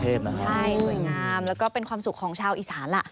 ใช่สวยงามแล้วก็เป็นความสุขของชาวอีสานล่ะ